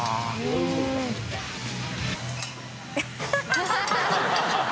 ハハハ